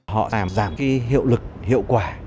họ làm giảm cái hiệu lực hiệu quả